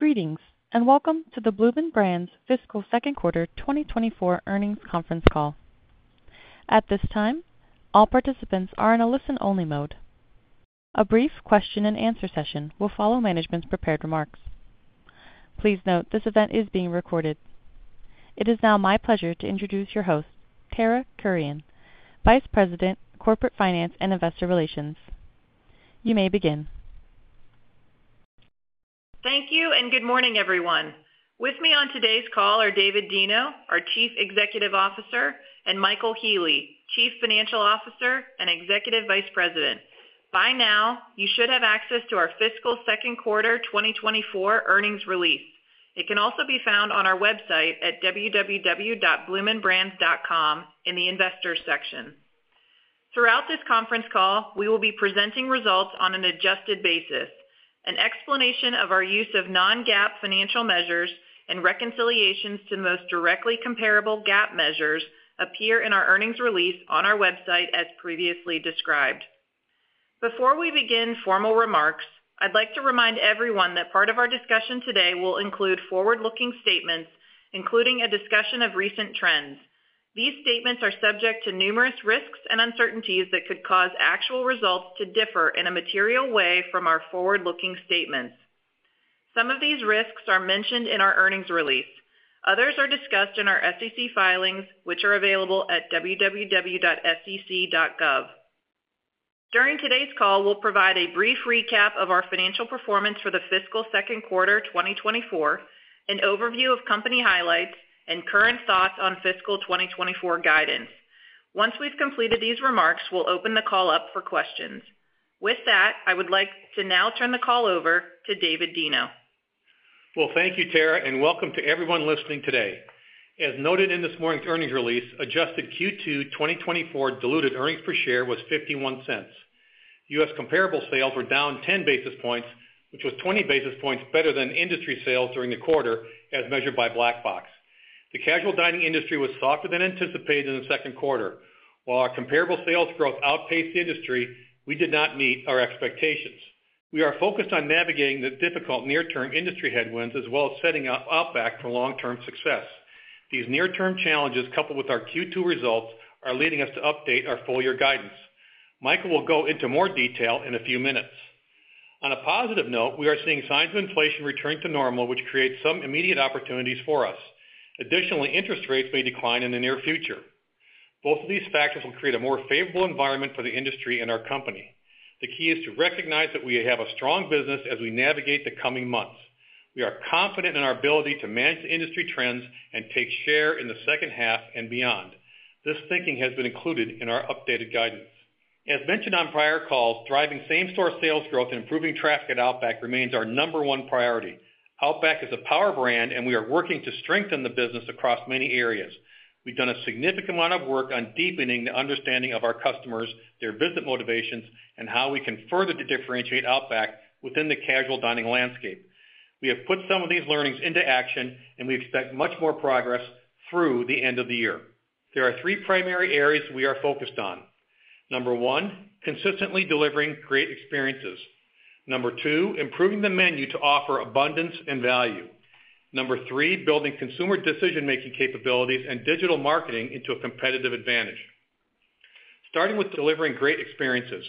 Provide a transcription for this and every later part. ...Greetings, and welcome to the Bloomin' Brands fiscal second quarter 2024 earnings conference call. At this time, all participants are in a listen-only mode. A brief question and answer session will follow management's prepared remarks. Please note, this event is being recorded. It is now my pleasure to introduce your host, Tara Kurian, Vice President, Corporate Finance and Investor Relations. You may begin. Thank you, and good morning, everyone. With me on today's call are David Deno, our Chief Executive Officer, and Michael Healy, Chief Financial Officer and Executive Vice President. By now, you should have access to our fiscal second quarter 2024 earnings release. It can also be found on our website at www.bloominbrands.com in the Investors section. Throughout this conference call, we will be presenting results on an adjusted basis. An explanation of our use of non-GAAP financial measures and reconciliations to the most directly comparable GAAP measures appear in our earnings release on our website, as previously described. Before we begin formal remarks, I'd like to remind everyone that part of our discussion today will include forward-looking statements, including a discussion of recent trends. These statements are subject to numerous risks and uncertainties that could cause actual results to differ in a material way from our forward-looking statements. Some of these risks are mentioned in our earnings release. Others are discussed in our SEC filings, which are available at www.sec.gov. During today's call, we'll provide a brief recap of our financial performance for the fiscal second quarter 2024, an overview of company highlights, and current thoughts on fiscal 2024 guidance. Once we've completed these remarks, we'll open the call up for questions. With that, I would like to now turn the call over to David Deno. Well, thank you, Tara, and welcome to everyone listening today. As noted in this morning's earnings release, adjusted Q2 2024 diluted earnings per share was $0.51. US comparable sales were down 10 basis points, which was 20 basis points better than industry sales during the quarter, as measured by Black Box. The casual dining industry was softer than anticipated in the second quarter. While our comparable sales growth outpaced the industry, we did not meet our expectations. We are focused on navigating the difficult near-term industry headwinds, as well as setting up Outback for long-term success. These near-term challenges, coupled with our Q2 results, are leading us to update our full year guidance. Michael will go into more detail in a few minutes. On a positive note, we are seeing signs of inflation returning to normal, which creates some immediate opportunities for us. Additionally, interest rates may decline in the near future. Both of these factors will create a more favorable environment for the industry and our company. The key is to recognize that we have a strong business as we navigate the coming months. We are confident in our ability to manage industry trends and take share in the second half and beyond. This thinking has been included in our updated guidance. As mentioned on prior calls, driving same-store sales growth and improving traffic at Outback remains our number one priority. Outback is a power brand, and we are working to strengthen the business across many areas. We've done a significant amount of work on deepening the understanding of our customers, their visit motivations, and how we can further differentiate Outback within the casual dining landscape. We have put some of these learnings into action, and we expect much more progress through the end of the year. There are three primary areas we are focused on. Number one, consistently delivering great experiences. Number two, improving the menu to offer abundance and value. Number three, building consumer decision-making capabilities and digital marketing into a competitive advantage. Starting with delivering great experiences.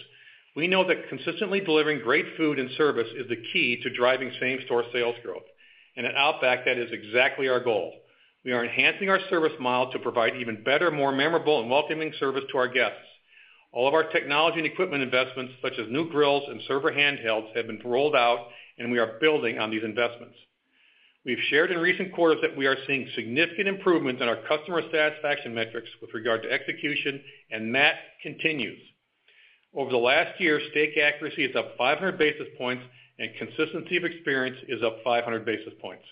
We know that consistently delivering great food and service is the key to driving same-store sales growth. At Outback, that is exactly our goal. We are enhancing our service model to provide even better, more memorable, and welcoming service to our guests. All of our technology and equipment investments, such as new grills and server handhelds, have been rolled out, and we are building on these investments. We've shared in recent quarters that we are seeing significant improvements in our customer satisfaction metrics with regard to execution, and that continues. Over the last year, steak accuracy is up 500 basis points, and consistency of experience is up 500 basis points.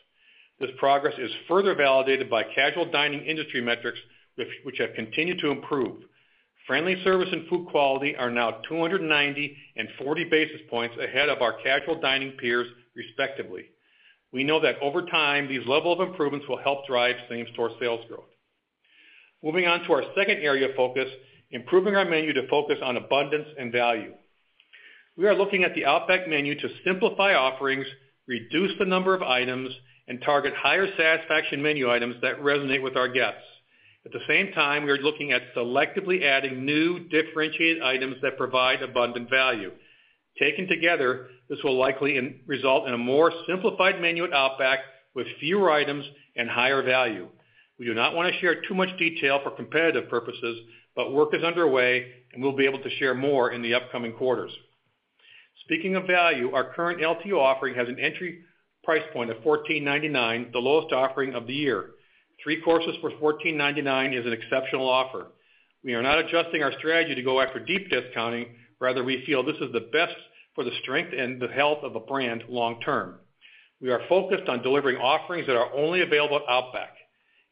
This progress is further validated by casual dining industry metrics, which have continued to improve. Friendly service and food quality are now 290 and 40 basis points ahead of our casual dining peers, respectively. We know that over time, these level of improvements will help drive same-store sales growth. Moving on to our second area of focus, improving our menu to focus on abundance and value. We are looking at the Outback menu to simplify offerings, reduce the number of items, and target higher satisfaction menu items that resonate with our guests. At the same time, we are looking at selectively adding new, differentiated items that provide abundant value. Taken together, this will likely result in a more simplified menu at Outback with fewer items and higher value. We do not want to share too much detail for competitive purposes, but work is underway, and we'll be able to share more in the upcoming quarters. Speaking of value, our current LTO offering has an entry price point of $14.99, the lowest offering of the year. Three courses for $14.99 is an exceptional offer. We are not adjusting our strategy to go after deep discounting. Rather, we feel this is the best for the strength and the health of a brand long term. We are focused on delivering offerings that are only available at Outback.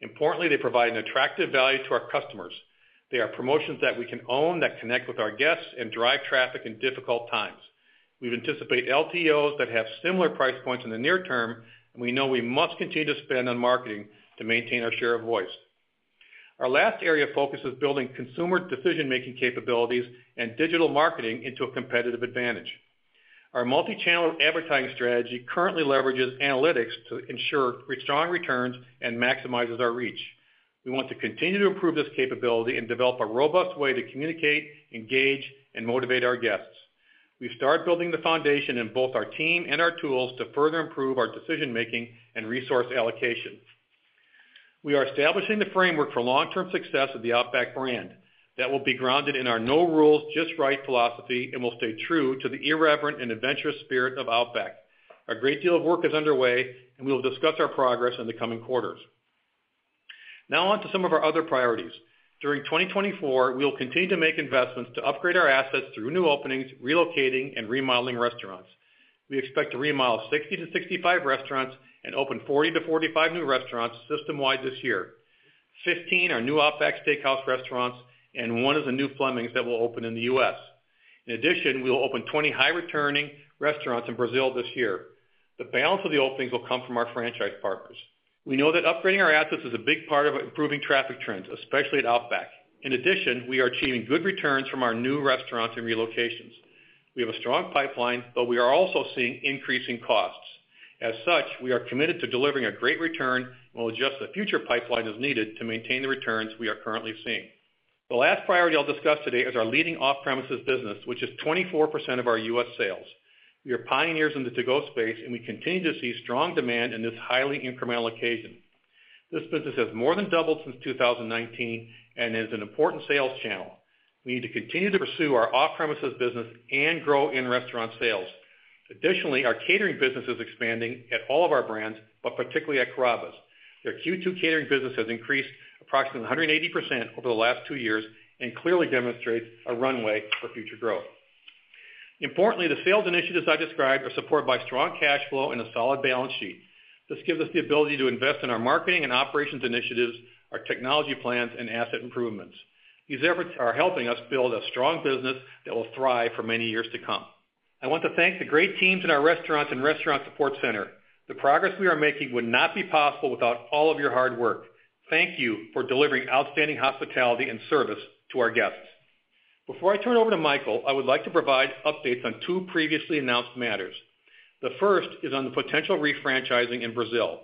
Importantly, they provide an attractive value to our customers. They are promotions that we can own, that connect with our guests, and drive traffic in difficult times. We've anticipated LTOs that have similar price points in the near term, and we know we must continue to spend on marketing to maintain our share of voice.... Our last area of focus is building consumer decision-making capabilities and digital marketing into a competitive advantage. Our multi-channel advertising strategy currently leverages analytics to ensure strong returns and maximizes our reach. We want to continue to improve this capability and develop a robust way to communicate, engage, and motivate our guests. We've started building the foundation in both our team and our tools to further improve our decision-making and resource allocation. We are establishing the framework for long-term success of the Outback brand that will be grounded in our No Rules, Just Right philosophy, and will stay true to the irreverent and adventurous spirit of Outback. A great deal of work is underway, and we will discuss our progress in the coming quarters. Now on to some of our other priorities. During 2024, we will continue to make investments to upgrade our assets through new openings, relocating, and remodeling restaurants. We expect to remodel 60-65 restaurants and open 40-45 new restaurants system-wide this year. 15 are new Outback Steakhouse restaurants and one is a new Fleming's that will open in the US. In addition, we will open 20 high-returning restaurants in Brazil this year. The balance of the openings will come from our franchise partners. We know that upgrading our assets is a big part of improving traffic trends, especially at Outback. In addition, we are achieving good returns from our new restaurants and relocations. We have a strong pipeline, but we are also seeing increasing costs. As such, we are committed to delivering a great return and we'll adjust the future pipeline as needed to maintain the returns we are currently seeing. The last priority I'll discuss today is our leading off-premises business, which is 24% of our U.S. sales. We are pioneers in the to-go space, and we continue to see strong demand in this highly incremental occasion. This business has more than doubled since 2019 and is an important sales channel. We need to continue to pursue our off-premises business and grow in-restaurant sales. Additionally, our catering business is expanding at all of our brands, but particularly at Carrabba's. Their Q2 catering business has increased approximately 180% over the last two years and clearly demonstrates a runway for future growth. Importantly, the sales initiatives I described are supported by strong cash flow and a solid balance sheet. This gives us the ability to invest in our marketing and operations initiatives, our technology plans, and asset improvements. These efforts are helping us build a strong business that will thrive for many years to come. I want to thank the great teams in our restaurants and restaurant support center. The progress we are making would not be possible without all of your hard work. Thank you for delivering outstanding hospitality and service to our guests. Before I turn it over to Michael, I would like to provide updates on two previously announced matters. The first is on the potential refranchising in Brazil.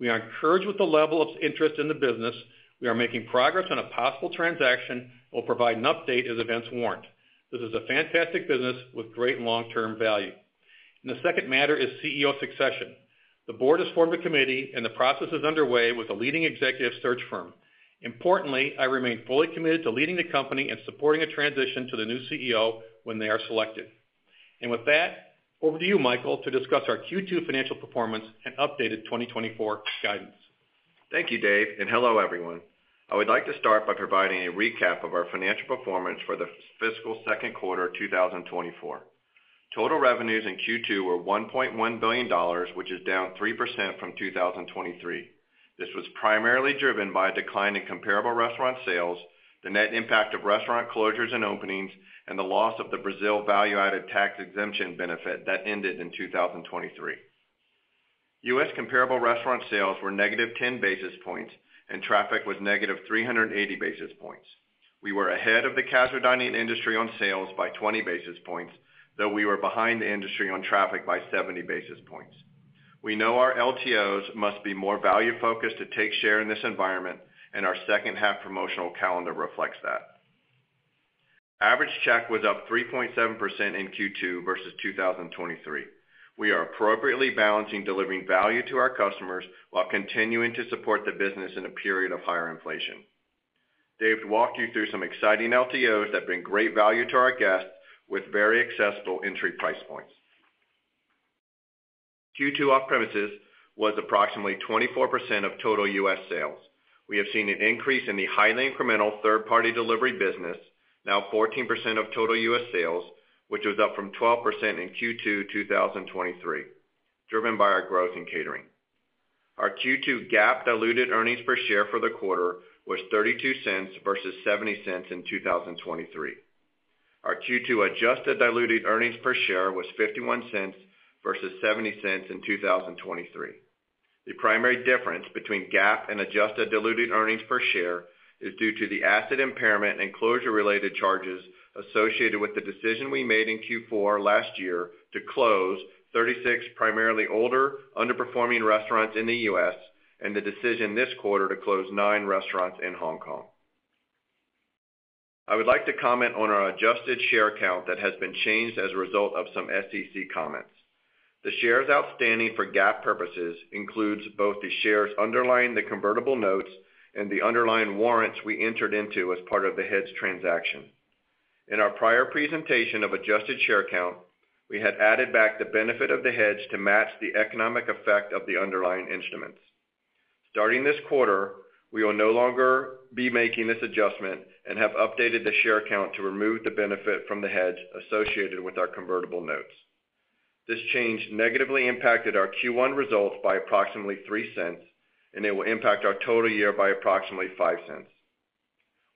We are encouraged with the level of interest in the business. We are making progress on a possible transaction. We'll provide an update as events warrant. This is a fantastic business with great long-term value. And the second matter is CEO succession. The board has formed a committee, and the process is underway with a leading executive search firm. Importantly, I remain fully committed to leading the company and supporting a transition to the new CEO when they are selected. And with that, over to you, Michael, to discuss our Q2 financial performance and updated 2024 guidance. Thank you, Dave, and hello, everyone. I would like to start by providing a recap of our financial performance for the fiscal second quarter of 2024. Total revenues in Q2 were $1.1 billion, which is down 3% from 2023. This was primarily driven by a decline in comparable restaurant sales, the net impact of restaurant closures and openings, and the loss of the Brazil value-added tax exemption benefit that ended in 2023. U.S. comparable restaurant sales were negative 10 basis points, and traffic was negative 380 basis points. We were ahead of the casual dining industry on sales by 20 basis points, though we were behind the industry on traffic by 70 basis points. We know our LTOs must be more value-focused to take share in this environment, and our second-half promotional calendar reflects that. Average check was up 3.7% in Q2 versus 2023. We are appropriately balancing delivering value to our customers while continuing to support the business in a period of higher inflation. Dave walked you through some exciting LTOs that bring great value to our guests with very accessible entry price points. Q2 off-premises was approximately 24% of total U.S. sales. We have seen an increase in the highly incremental third-party delivery business, now 14% of total U.S. sales, which was up from 12% in Q2 2023, driven by our growth in catering. Our Q2 GAAP diluted earnings per share for the quarter was $0.32 versus $0.70 in 2023. Our Q2 adjusted diluted earnings per share was $0.51 versus $0.70 in 2023. The primary difference between GAAP and adjusted diluted earnings per share is due to the asset impairment and closure-related charges associated with the decision we made in Q4 last year to close 36, primarily older, underperforming restaurants in the U.S., and the decision this quarter to close 9 restaurants in Hong Kong. I would like to comment on our adjusted share count that has been changed as a result of some SEC comments. The shares outstanding for GAAP purposes includes both the shares underlying the convertible notes and the underlying warrants we entered into as part of the hedge transaction. In our prior presentation of adjusted share count, we had added back the benefit of the hedge to match the economic effect of the underlying instruments. Starting this quarter, we will no longer be making this adjustment and have updated the share count to remove the benefit from the hedge associated with our convertible notes. This change negatively impacted our Q1 results by approximately $0.03, and it will impact our total year by approximately $0.05.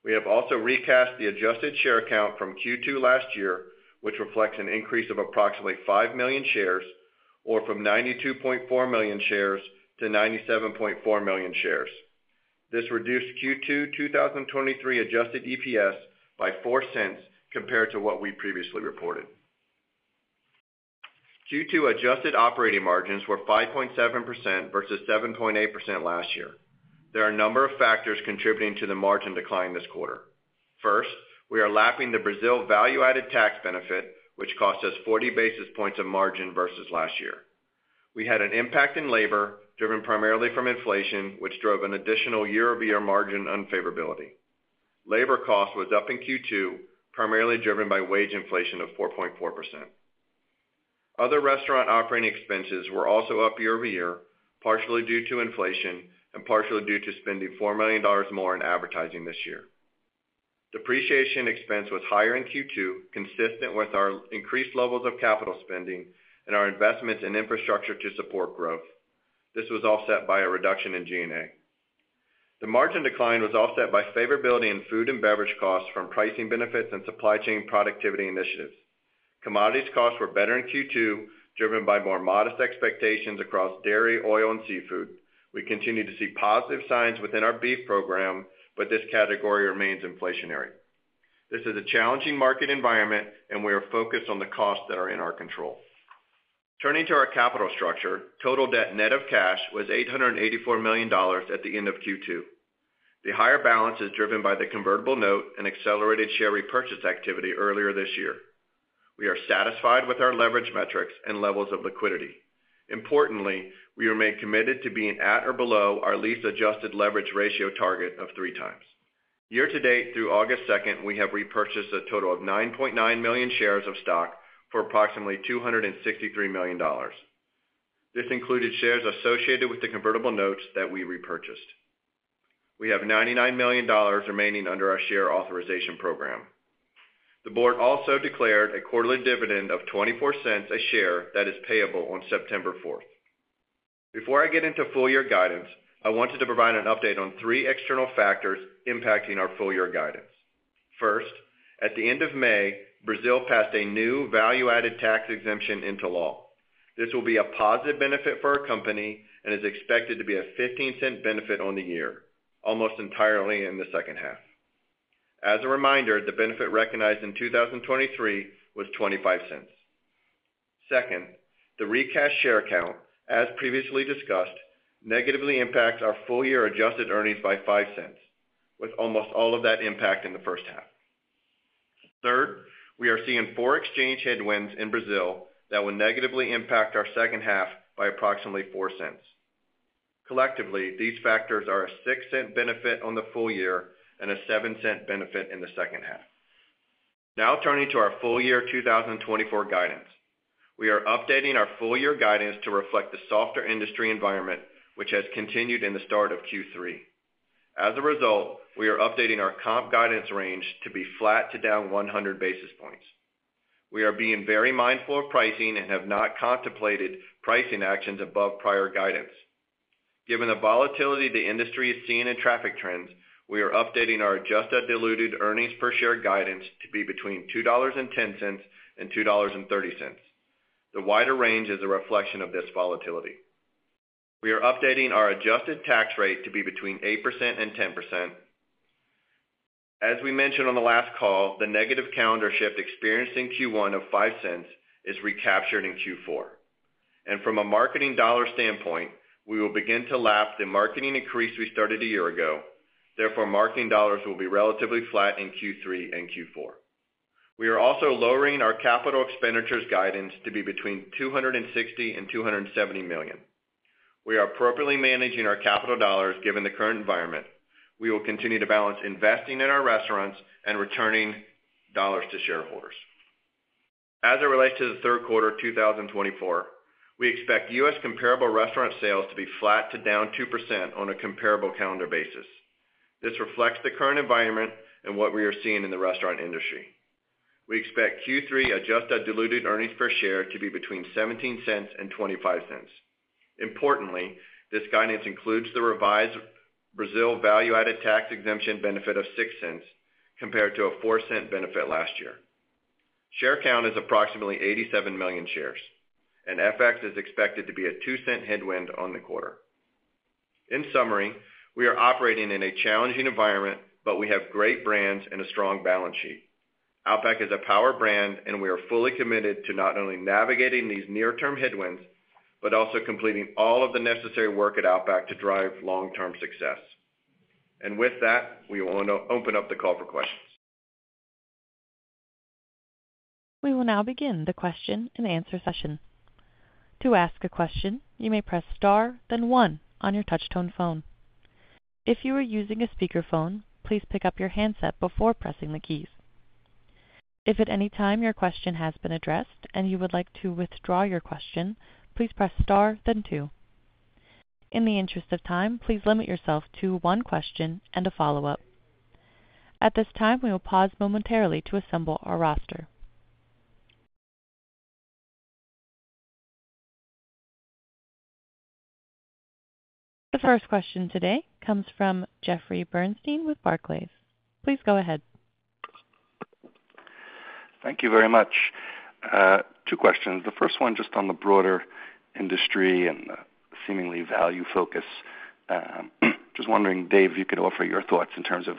We have also recast the adjusted share count from Q2 last year, which reflects an increase of approximately 5 million shares or from 92.4 million shares to 97.4 million shares. This reduced Q2 2023 adjusted EPS by $0.04 compared to what we previously reported. Q2 adjusted operating margins were 5.7% versus 7.8% last year. There are a number of factors contributing to the margin decline this quarter. First, we are lapping the Brazil value-added tax benefit, which cost us 40 basis points of margin versus last year. We had an impact in labor, driven primarily from inflation, which drove an additional year-over-year margin unfavorability. Labor cost was up in Q2, primarily driven by wage inflation of 4.4%. Other restaurant operating expenses were also up year-over-year, partially due to inflation and partially due to spending $4 million more in advertising this year. Depreciation expense was higher in Q2, consistent with our increased levels of capital spending and our investments in infrastructure to support growth. This was offset by a reduction in G&A. The margin decline was offset by favorability in food and beverage costs from pricing benefits and supply chain productivity initiatives. Commodities costs were better in Q2, driven by more modest expectations across dairy, oil, and seafood. We continue to see positive signs within our beef program, but this category remains inflationary. This is a challenging market environment, and we are focused on the costs that are in our control. Turning to our capital structure, total debt net of cash was $884 million at the end of Q2. The higher balance is driven by the convertible note and accelerated share repurchase activity earlier this year. We are satisfied with our leverage metrics and levels of liquidity. Importantly, we remain committed to being at or below our lease adjusted leverage ratio target of 3x. Year to date, through August second, we have repurchased a total of 9.9 million shares of stock for approximately $263 million. This included shares associated with the convertible notes that we repurchased. We have $99 million remaining under our share authorization program. The board also declared a quarterly dividend of $0.24 a share that is payable on September 4. Before I get into full year guidance, I wanted to provide an update on three external factors impacting our full year guidance. First, at the end of May, Brazil passed a new value-added tax exemption into law. This will be a positive benefit for our company and is expected to be a $0.15 benefit on the year, almost entirely in the second half. As a reminder, the benefit recognized in 2023 was $0.25. Second, the recast share count, as previously discussed, negatively impacts our full year adjusted earnings by $0.05, with almost all of that impact in the first half. Third, we are seeing foreign exchange headwinds in Brazil that will negatively impact our second half by approximately $0.04. Collectively, these factors are a $0.06 benefit on the full year and a $0.07 benefit in the second half. Now, turning to our full year 2024 guidance. We are updating our full year guidance to reflect the softer industry environment, which has continued in the start of Q3. As a result, we are updating our comp guidance range to be flat to down 100 basis points. We are being very mindful of pricing and have not contemplated pricing actions above prior guidance. Given the volatility the industry is seeing in traffic trends, we are updating our adjusted diluted earnings per share guidance to be between $2.10 and $2.30. The wider range is a reflection of this volatility. We are updating our adjusted tax rate to be between 8% and 10%. As we mentioned on the last call, the negative calendar shift experienced in Q1 of $0.05 is recaptured in Q4. From a marketing dollar standpoint, we will begin to lap the marketing increase we started a year ago. Therefore, marketing dollars will be relatively flat in Q3 and Q4. We are also lowering our capital expenditures guidance to be between $260 million and $270 million. We are appropriately managing our capital dollars, given the current environment. We will continue to balance investing in our restaurants and returning dollars to shareholders. As it relates to the third quarter of 2024, we expect U.S. comparable restaurant sales to be flat to down 2% on a comparable calendar basis. This reflects the current environment and what we are seeing in the restaurant industry. We expect Q3 adjusted diluted earnings per share to be between $0.17 and $0.25. Importantly, this guidance includes the revised Brazil value-added tax exemption benefit of $0.06, compared to a $0.04 benefit last year. Share count is approximately 87 million shares, and FX is expected to be a $0.02 headwind on the quarter. In summary, we are operating in a challenging environment, but we have great brands and a strong balance sheet. Outback is a power brand, and we are fully committed to not only navigating these near-term headwinds, but also completing all of the necessary work at Outback to drive long-term success. And with that, we want to open up the call for questions. We will now begin the question and answer session. To ask a question, you may press star, then one on your touchtone phone. If you are using a speakerphone, please pick up your handset before pressing the keys. If at any time your question has been addressed and you would like to withdraw your question, please press star, then two. In the interest of time, please limit yourself to one question and a follow-up. At this time, we will pause momentarily to assemble our roster. The first question today comes from Jeffrey Bernstein with Barclays. Please go ahead. Thank you very much. Two questions. The first one, just on the broader industry and seemingly value focus. Just wondering, Dave, if you could offer your thoughts in terms of,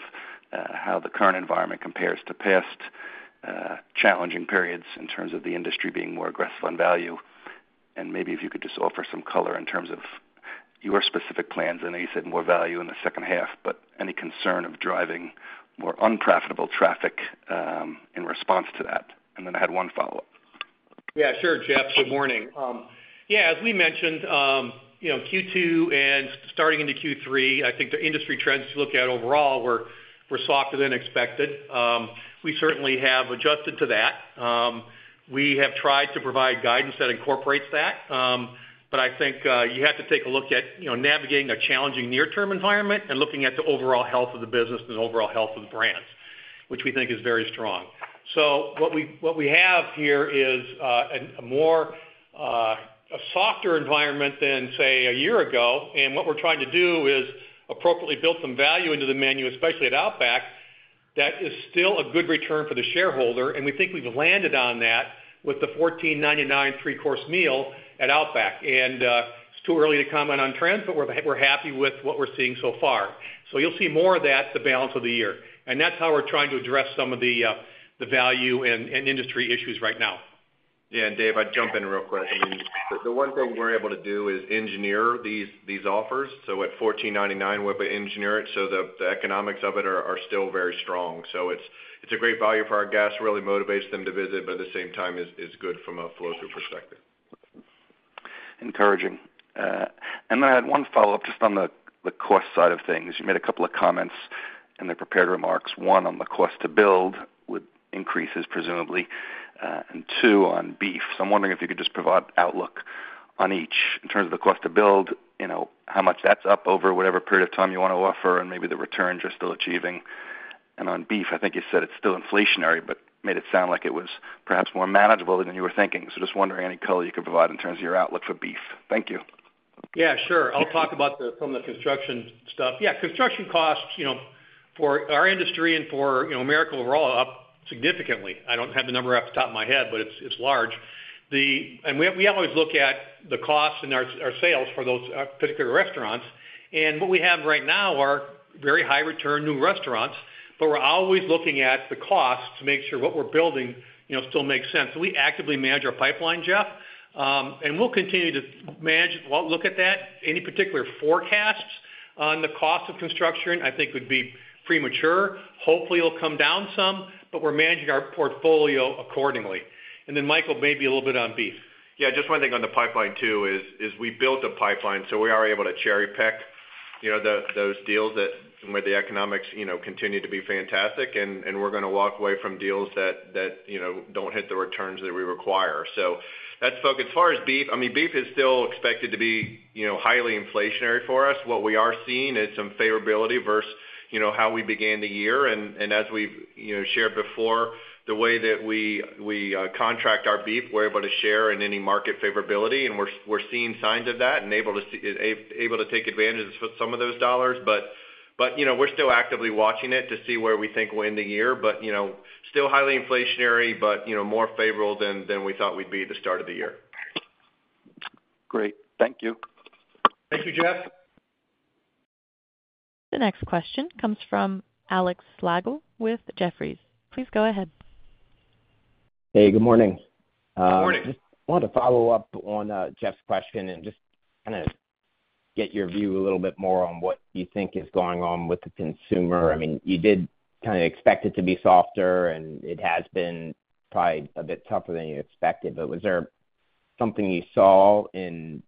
how the current environment compares to past, challenging periods in terms of the industry being more aggressive on value, and maybe if you could just offer some color in terms of your specific plans. I know you said more value in the second half, but any concern of driving more unprofitable traffic, in response to that? And then I had one follow-up. Yeah, sure, Jeff. Good morning. Yeah, as we mentioned, you know, Q2 and starting into Q3, I think the industry trends to look at overall were softer than expected. We certainly have adjusted to that. We have tried to provide guidance that incorporates that, but I think you have to take a look at, you know, navigating a challenging near-term environment and looking at the overall health of the business and the overall health of the brands, which we think is very strong. So what we have here is a softer environment than, say, a year ago. And what we're trying to do is appropriately build some value into the menu, especially at Outback, that is still a good return for the shareholder, and we think we've landed on that with the $14.99 three-course meal at Outback. And, it's too early to comment on trends, but we're, we're happy with what we're seeing so far. So you'll see more of that the balance of the year, and that's how we're trying to address some of the, the value and, and industry issues right now. Yeah, and Dave, I'd jump in real quick. I mean, the one thing we're able to do is engineer these offers. So at $14.99, we'll engineer it so the economics of it are still very strong. So it's a great value for our guests, really motivates them to visit, but at the same time, is good from a flow-through perspective. Encouraging. And then I had one follow-up just on the cost side of things. You made a couple of comments in the prepared remarks, one, on the cost to build with increases, presumably, and two, on beef. So I'm wondering if you could just provide outlook on each. In terms of the cost to build, you know, how much that's up over whatever period of time you want to offer and maybe the returns you're still achieving. And on beef, I think you said it's still inflationary, but made it sound like it was perhaps more manageable than you were thinking. So just wondering any color you could provide in terms of your outlook for beef. Thank you. Yeah, sure. I'll talk about the construction stuff. Yeah, construction costs, you know, for our industry and for, you know, America overall, are up significantly. I don't have the number off the top of my head, but it's large. The... We always look at the costs and our sales for those particular restaurants. And what we have right now are very high return new restaurants, but we're always looking at the costs to make sure what we're building, you know, still makes sense. So we actively manage our pipeline, Jeff, and we'll continue to manage it. Well, look at that. Any particular forecasts on the cost of construction, I think, would be premature. Hopefully, it'll come down some, but we're managing our portfolio accordingly. And then Michael, maybe a little bit on beef. Yeah, just one thing on the pipeline, too, is we built a pipeline, so we are able to cherry-pick, you know, those deals that where the economics, you know, continue to be fantastic. And we're gonna walk away from deals that you know don't hit the returns that we require. So that's focus. As far as beef, I mean, beef is still expected to be, you know, highly inflationary for us. What we are seeing is some favorability versus, you know, how we began the year. And as we've, you know, shared before, the way that we we contract our beef, we're able to share in any market favorability, and we're seeing signs of that and able to take advantage of some of those dollars. But you know, we're still actively watching it to see where we think we'll end the year. But you know, still highly inflationary, but you know, more favorable than we thought we'd be at the start of the year. Great. Thank you. Thank you, Jeff. The next question comes from Alex Slagle with Jefferies. Please go ahead. Hey, good morning. Good morning. Just wanted to follow up on Jeff's question and just kind of get your view a little bit more on what you think is going on with the consumer. I mean, you did kind of expect it to be softer, and it has been probably a bit tougher than you expected. But was there something you saw in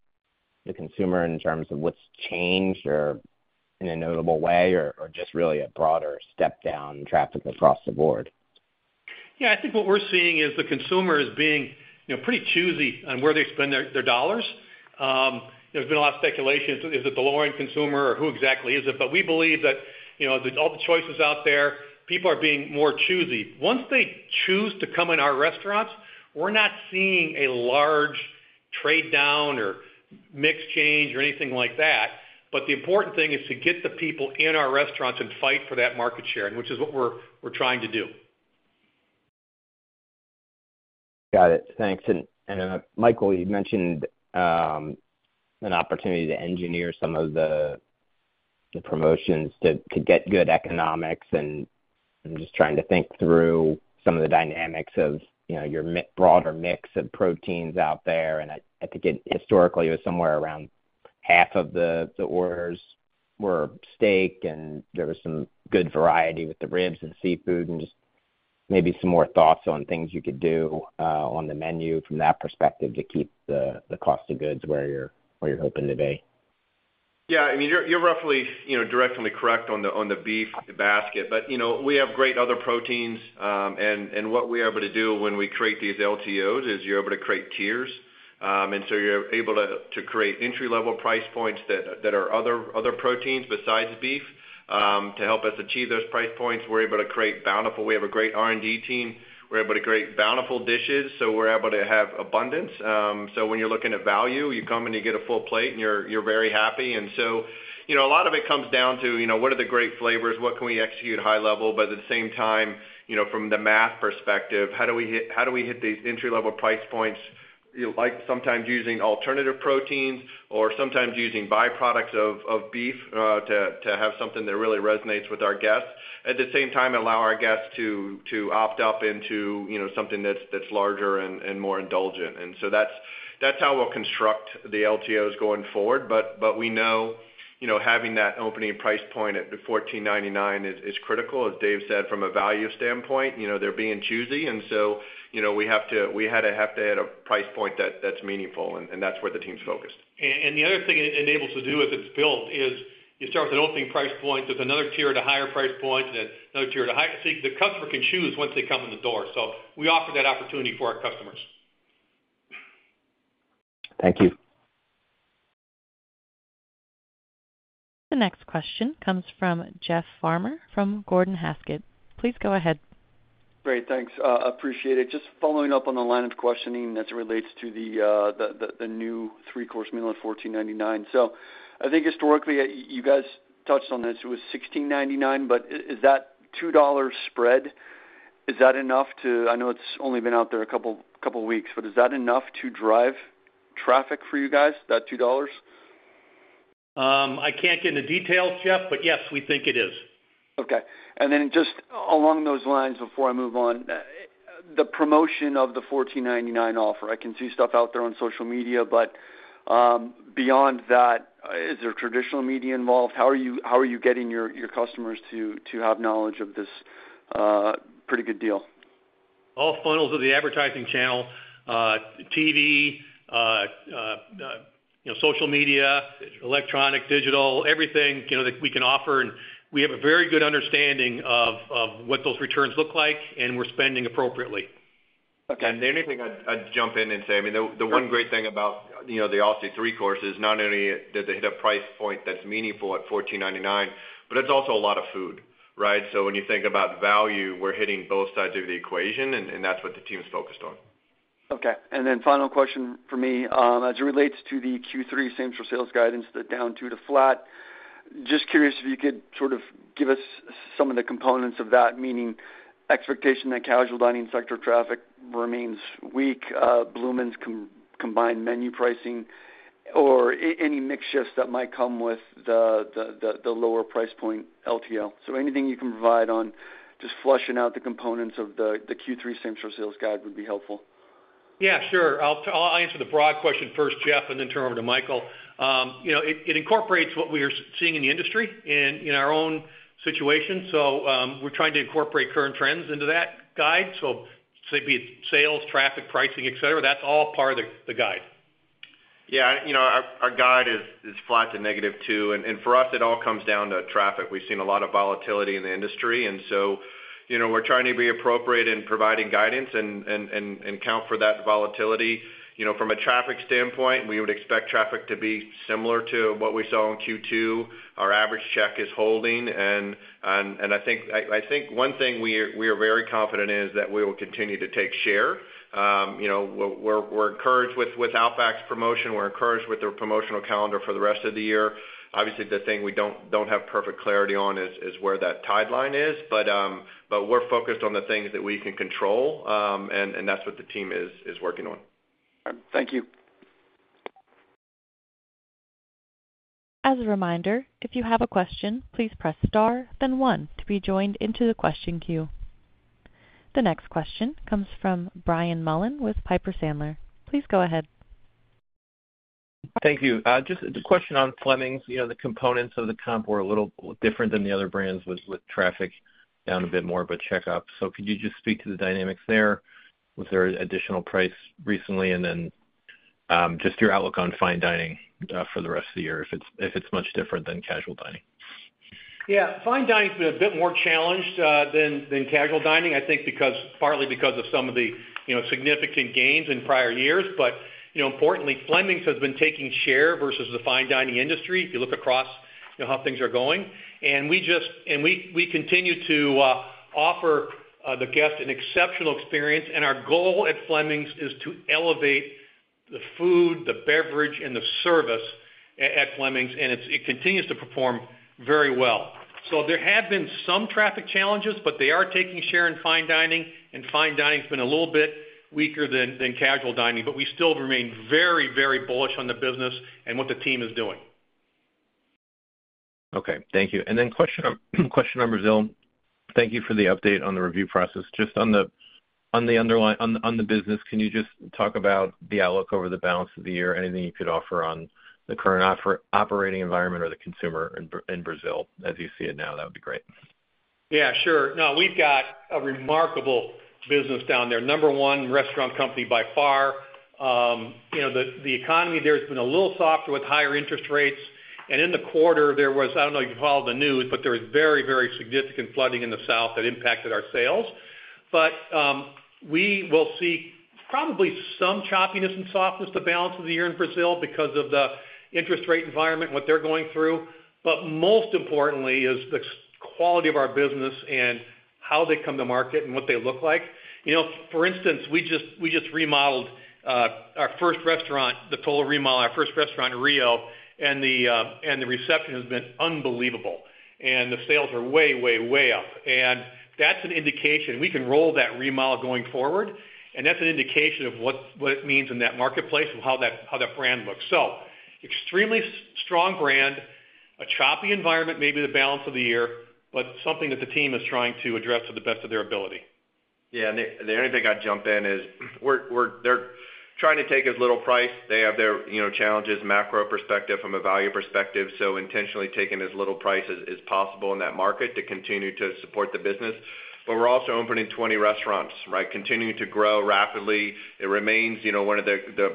the consumer in terms of what's changed or in a notable way, or just really a broader step down traffic across the board? Yeah, I think what we're seeing is the consumer is being, you know, pretty choosy on where they spend their dollars. There's been a lot of speculation. Is it the lower-end consumer, or who exactly is it? But we believe that, you know, with all the choices out there, people are being more choosy. Once they choose to come in our restaurants, we're not seeing a large trade down or mix change or anything like that, but the important thing is to get the people in our restaurants and fight for that market share, and which is what we're trying to do. Got it. Thanks. And Michael, you mentioned an opportunity to engineer some of the promotions to get good economics, and I'm just trying to think through some of the dynamics of, you know, your broader mix of proteins out there. And I think it historically was somewhere around half of the orders were steak, and there was some good variety with the ribs and seafood and just maybe some more thoughts on things you could do on the menu from that perspective to keep the cost of goods where you're hoping to be. Yeah, I mean, you're roughly, you know, directly correct on the beef basket. But, you know, we have great other proteins, and what we're able to do when we create these LTOs is you're able to create tiers. And so you're able to create entry-level price points that are other proteins besides beef. To help us achieve those price points, we're able to create bountiful. We have a great R&D team. We're able to create bountiful dishes, so we're able to have abundance. So when you're looking at value, you come in, you get a full plate, and you're very happy. And so, you know, a lot of it comes down to, you know, what are the great flavors? What can we execute high level? But at the same time, you know, from the math perspective, how do we hit these entry-level price points? Like, sometimes using alternative proteins or sometimes using byproducts of beef to have something that really resonates with our guests. At the same time, allow our guests to opt up into, you know, something that's larger and more indulgent. And so that's how we'll construct the LTOs going forward. But we know, you know, having that opening price point at the $14.99 is critical. As Dave said, from a value standpoint, you know, they're being choosy, and so, you know, we have to add a price point that's meaningful, and that's where the team's focused. And the other thing it enables to do, if it's built, is you start with an opening price point, there's another tier at a higher price point, and then another tier at a higher... So the customer can choose once they come in the door, so we offer that opportunity for our customers. Thank you. The next question comes from Jeff Farmer from Gordon Haskett. Please go ahead. Great, thanks, appreciate it. Just following up on the line of questioning as it relates to the new three-course meal at $14.99. So I think historically, you guys touched on this, it was $16.99, but is that $2 spread, is that enough to... I know it's only been out there a couple weeks, but is that enough to drive traffic for you guys, that $2? I can't get into details, Jeff, but yes, we think it is. Okay. Then just along those lines, before I move on, the promotion of the $14.99 offer, I can see stuff out there on social media, but, beyond that, is there traditional media involved? How are you getting your customers to have knowledge of this, pretty good deal? All funnels of the advertising channel, TV, you know, social media, electronic, digital, everything, you know, that we can offer. We have a very good understanding of what those returns look like, and we're spending appropriately. Okay. The only thing I'd jump in and say, I mean, the one great thing about, you know, the Aussie 3-Course is not only that they hit a price point that's meaningful at $14.99, but it's also a lot of food, right? So when you think about value, we're hitting both sides of the equation, and that's what the team is focused on. Okay. Final question for me. As it relates to the Q3 same-store sales guidance, the down 2% to flat. Just curious if you could sort of give us some of the components of that, meaning expectation that casual dining sector traffic remains weak, Bloomin's combined menu pricing or any mix shifts that might come with the lower price point LTO. So anything you can provide on just fleshing out the components of the Q3 same-store sales guide would be helpful. Yeah, sure. I'll, I'll answer the broad question first, Jeff, and then turn over to Michael. You know, it, it incorporates what we are seeing in the industry and in our own situation. So, we're trying to incorporate current trends into that guide. So say be it sales, traffic, pricing, et cetera, that's all part of the, the guide. Yeah, you know, our guide is flat to -2%, and for us, it all comes down to traffic. We've seen a lot of volatility in the industry, and so, you know, we're trying to be appropriate in providing guidance and account for that volatility. You know, from a traffic standpoint, we would expect traffic to be similar to what we saw in Q2. Our average check is holding, and I think one thing we are very confident in is that we will continue to take share. You know, we're encouraged with Outback's promotion. We're encouraged with their promotional calendar for the rest of the year. Obviously, the thing we don't have perfect clarity on is where that trend line is. But we're focused on the things that we can control, and that's what the team is working on. Thank you. As a reminder, if you have a question, please press Star, then one to be joined into the question queue. The next question comes from Brian Mullan with Piper Sandler. Please go ahead. Thank you. Just a question on Fleming's. You know, the components of the comp were a little different than the other brands, with traffic down a bit more, but check up. So could you just speak to the dynamics there? Was there additional price recently? And then, just your outlook on fine dining for the rest of the year, if it's much different than casual dining. Yeah, fine dining has been a bit more challenged than casual dining, I think, because partly because of some of the, you know, significant gains in prior years. But, you know, importantly, Fleming's has been taking share versus the fine dining industry, if you look across, you know, how things are going. And we continue to offer the guest an exceptional experience, and our goal at Fleming's is to elevate the food, the beverage, and the service at Fleming's, and it continues to perform very well. So there have been some traffic challenges, but they are taking share in fine dining, and fine dining has been a little bit weaker than casual dining, but we still remain very, very bullish on the business and what the team is doing. Okay, thank you. And then question on Brazil. Thank you for the update on the review process. Just on the underlying business, can you just talk about the outlook over the balance of the year? Anything you could offer on the current operating environment or the consumer in Brazil as you see it now, that would be great. Yeah, sure. No, we've got a remarkable business down there. Number one, restaurant company by far. You know, the economy there has been a little softer with higher interest rates, and in the quarter, there was... I don't know if you follow the news, but there was very, very significant flooding in the south that impacted our sales.... But, we will see probably some choppiness and softness the balance of the year in Brazil because of the interest rate environment, what they're going through. But most importantly is the quality of our business and how they come to market and what they look like. You know, for instance, we just remodeled our first restaurant, the total remodel, our first restaurant in Rio, and the reception has been unbelievable. And the sales are way, way, way up. And that's an indication. We can roll that remodel going forward, and that's an indication of what it means in that marketplace and how that brand looks. So extremely strong brand, a choppy environment, maybe the balance of the year, but something that the team is trying to address to the best of their ability. Yeah, and the only thing I'd jump in is we're—they're trying to take as little price. They have their, you know, challenges, macro perspective from a value perspective, so intentionally taking as little price as possible in that market to continue to support the business. But we're also opening 20 restaurants, right? Continuing to grow rapidly. It remains, you know, one of the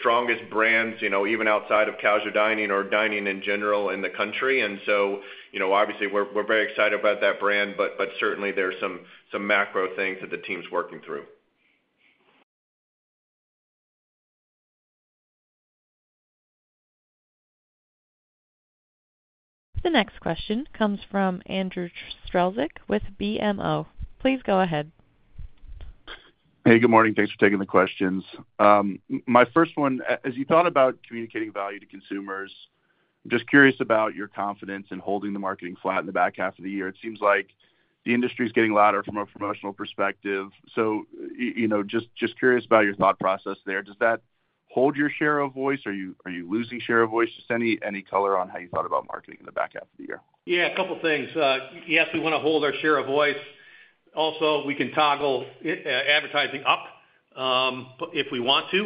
strongest brands, you know, even outside of casual dining or dining in general in the country. And so, you know, obviously, we're very excited about that brand, but certainly there are some macro things that the team's working through. The next question comes from Andrew Strelzik with BMO. Please go ahead. Hey, good morning. Thanks for taking the questions. My first one, as you thought about communicating value to consumers, just curious about your confidence in holding the marketing flat in the back half of the year. It seems like the industry is getting louder from a promotional perspective. So you know, just curious about your thought process there. Does that hold your share of voice, or are you losing share of voice? Just any color on how you thought about marketing in the back half of the year? Yeah, a couple things. Yes, we wanna hold our share of voice. Also, we can toggle advertising up, if we want to.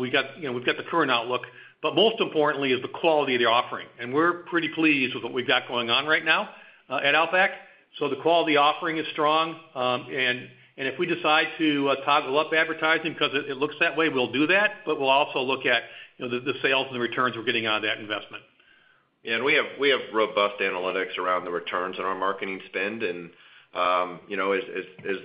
We got, you know, we've got the current outlook, but most importantly is the quality of the offering, and we're pretty pleased with what we've got going on right now, at Outback. So the quality offering is strong, and, and if we decide to, toggle up advertising because it, it looks that way, we'll do that, but we'll also look at, you know, the, the sales and the returns we're getting out of that investment. We have robust analytics around the returns on our marketing spend. You know, as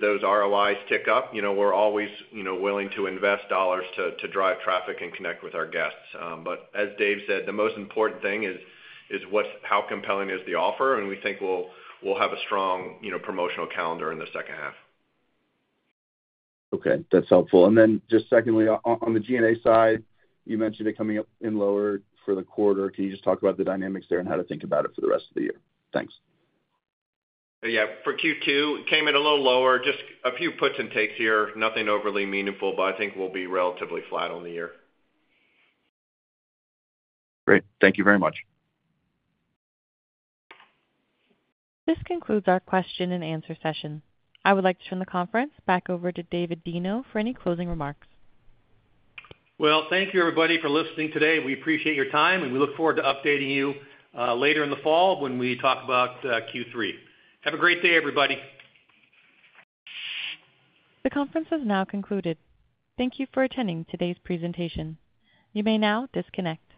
those ROIs tick up, you know, we're always, you know, willing to invest dollars to drive traffic and connect with our guests. But as Dave said, the most important thing is what's, how compelling is the offer, and we think we'll have a strong, you know, promotional calendar in the second half. Okay, that's helpful. Then just secondly, on the G&A side, you mentioned it coming in lower for the quarter. Can you just talk about the dynamics there and how to think about it for the rest of the year? Thanks. Yeah. For Q2, came in a little lower, just a few puts and takes here, nothing overly meaningful, but I think we'll be relatively flat on the year. Great. Thank you very much. This concludes our question and answer session. I would like to turn the conference back over to David Deno for any closing remarks. Well, thank you, everybody, for listening today. We appreciate your time, and we look forward to updating you later in the fall when we talk about Q3. Have a great day, everybody. The conference is now concluded. Thank you for attending today's presentation. You may now disconnect.